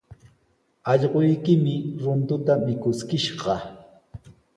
Allquykimi runtuta mikuskishqa.